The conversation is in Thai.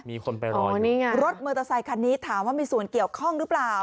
มีคนไปรอนี่ไงรถมอเตอร์ไซคันนี้ถามว่ามีส่วนเกี่ยวข้องหรือเปล่า